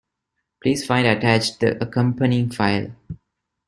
Please find attached the accompanying file.